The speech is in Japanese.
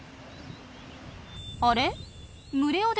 あれ？